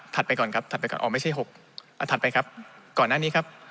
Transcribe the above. ไปก่อนครับถัดไปก่อนอ๋อไม่ใช่๖อันถัดไปครับก่อนหน้านี้ครับ